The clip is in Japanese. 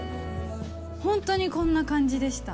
本当にこんな感じでした。